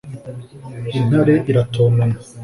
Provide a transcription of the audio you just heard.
intare iratontoma